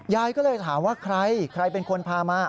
ยายก็เลยถามว่าใครใครเป็นคนพามา